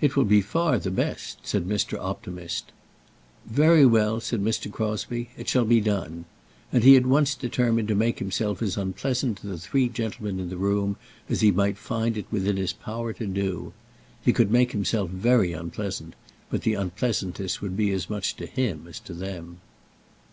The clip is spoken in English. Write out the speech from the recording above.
"It will be far the best," said Mr. Optimist. "Very well," said Mr. Crosbie, "it shall be done." And he at once determined to make himself as unpleasant to the three gentlemen in the room as he might find it within his power to do. He could make himself very unpleasant, but the unpleasantness would be as much to him as to them.